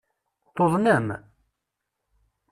Tuḍnem?